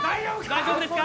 大丈夫ですか。